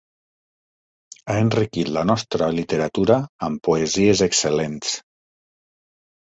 Ha enriquit la nostra literatura amb poesies excel·lents.